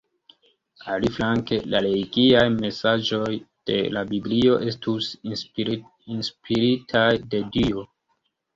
Aliflanke, la religiaj mesaĝoj de la Biblio estus inspiritaj de Dio.